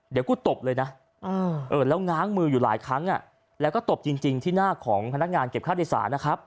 เดี๋ยวกูตบเลยนะแล้วง้างมืออยู่หลายครั้งแล้วก็ตบจริงที่หน้าของพนักงานเก็บค่าโดยสารนะครับ